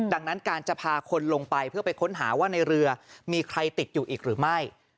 ดังนั้นการจะพาคนลงไปเพื่อไปค้นหาว่าในเรือมีใครติดอยู่อีกหรือไม่